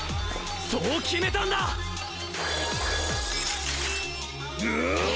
そう決めたんだぁ！